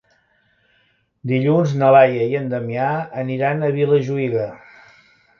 Dilluns na Laia i en Damià aniran a Vilajuïga.